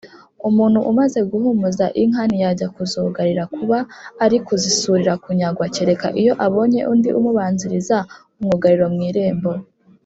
Umuntu umaze guhumuza inka ntiyajya kuzugarira, kuba ari kuzisurira kunyagwa, kereka iyo abonye undi umubanziriza umwugariro mu irembo.